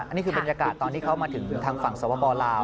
อันนี้คือบรรยากาศตอนที่เขามาถึงทางฝั่งสวปลาว